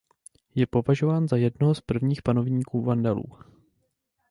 Je považován za jednoho z prvních panovníků Vandalů.